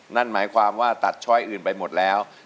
นั่นหมายความว่าตัดช้อยอื่นไปหมดแล้ว